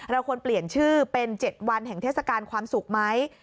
เราควรเปลี่ยนชื่อเป็น๗วันแห่งเทศกาลความสุขไหม